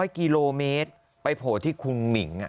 ๐กิโลเมตรไปโผล่ที่คุณหมิง